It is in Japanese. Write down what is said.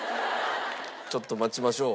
ちょっと待ちましょう。